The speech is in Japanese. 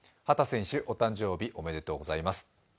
秦選手、お誕生日おめでとうございます。